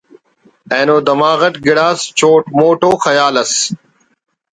اینو دماغ اٹ گڑاس چوٹ موٹ ءُ خیال اس